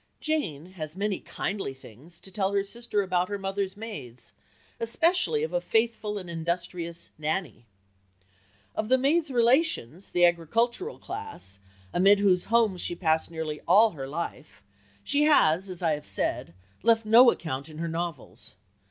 Jane has many kindly things to tell her sister about, her mother's maids, especially of a faithful and industrious "Nannie." Of the maids' relations, the agricultural class, amid whose homes she passed nearly all her life, she has, as I have said, left no account in her novels.